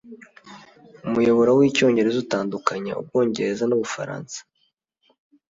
Umuyoboro wicyongereza utandukanya Ubwongereza nu Bufaransa